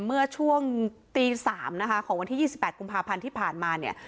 เมื่อช่วงตี๓นะคะของวันที่๒๘กุมภาพันธ์ที่ผ่านมาเนี่ย